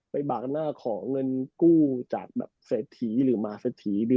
ไปปากหน้าขอเงินกู้จากเศษทีหรือมาเศษที